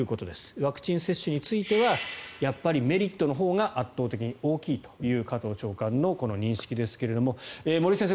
ワクチン接種についてはやっぱりメリットのほうが圧倒的に大きいという加藤長官の認識ですが森内先生